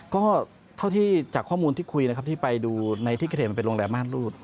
ก็เท่าที่จากข้อมูลที่คุยนะครับที่ไปดูในที่เกิดเหตุมันเป็นโรงแรมม่านรูด